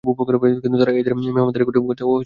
কিন্তু তারা এঁদের মেহমানদারী করতে অস্বীকার করল।